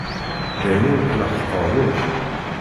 D ayen ur tleḥḥqeḍ akk.